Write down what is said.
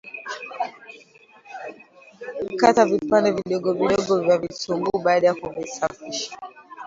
Kata vipande vidogo vidogo vya vitunguu baada ya kuvisafisha